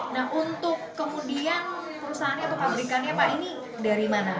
nah untuk kemudian perusahaannya atau pabrikannya pak ini dari mana